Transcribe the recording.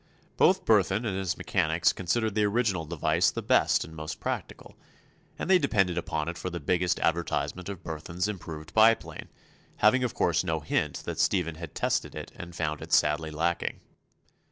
Both Burthon and his mechanics considered the original device the best and most practical, and they depended upon it for the biggest advertisement of Burthon's Improved Biplane, having of course no hint that Stephen had tested it and found it sadly lacking.